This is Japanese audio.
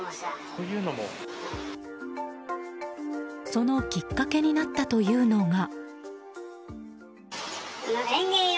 そのきっかけになったというのが。